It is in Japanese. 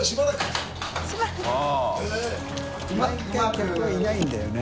莢客はいないんだよね。